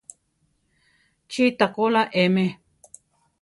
Chí takóla eme.